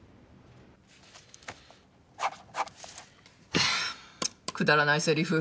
はぁくだらないセリフ。